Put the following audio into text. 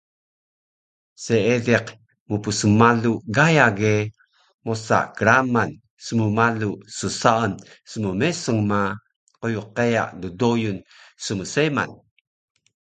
Seediq mpsmalu Gaya ge mosa kraman smmalu ssaan smmesung ma qyqeya ddooyun smseman